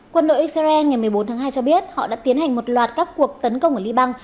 quân đội israel ngày một mươi bốn tháng hai cho biết họ đã tiến hành một loạt các cuộc tấn công ở liban